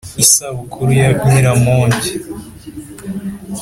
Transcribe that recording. Isabukuru ya Nyiramongi.